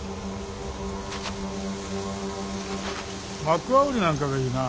マクワウリなんかがいいな。